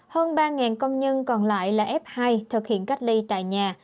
hơn ba công nhân còn lại là f hai thực hiện cách ly tại nhà